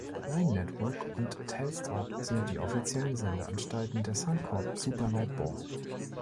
Nine Network und Telstra sind die offiziellen Sendeanstalten der Suncorp Super Netball.